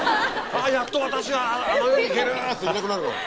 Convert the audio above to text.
「やっと私はあの世に行ける」っていなくなるから。